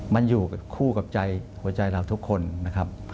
มันอยู่คู่กับใจหัวใจเราทุกคนนะครับ